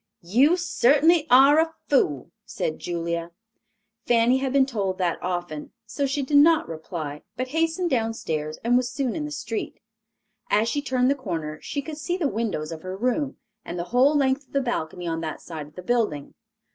"You certainly are a fool," said Julia. Fanny had been told that often, so she did not reply, but hastened downstairs and was soon in the street. As she turned the corner she could see the windows of her room, and the whole length of the balcony on that side of the building.